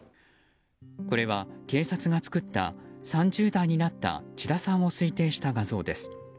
これは警察が作った３０代になった千田さんを推定した画像です。